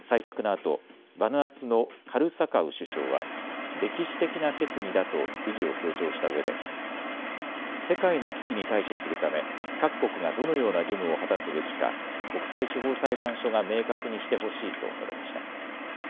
採択のあとバヌアツのカルサカウ首相は歴史的な決議だと意義を強調したうえで世界の危機に対処するため各国がどのような義務を果たすべきか国際司法裁判所が明確にしてほしいと述べました。